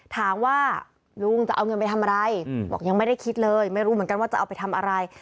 ถามว่าลุงจะเอาเงินไปทำอะไรบอกยังไม่ได้คิดเลยไม่รู้เหมือนกันว่าจะเอาไปทำอะไร